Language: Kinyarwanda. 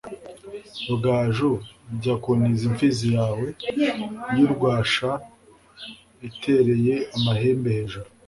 Rugaju jya kuntiza imfizi yawe y'urwasha itereye amahembe hejuru